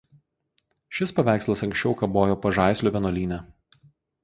Šis paveikslas anksčiau kabojo Pažaislio vienuolyne.